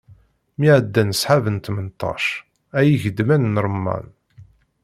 Mi ɛeddan sḥab n tmenṭac, ay igeḍman n remman.